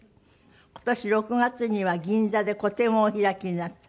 今年６月には銀座で個展をお開きになった。